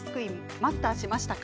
マスターしましたか？